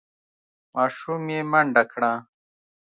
ماشوم یې منډه کړه.